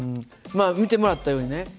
まあ見てもらったようにね２００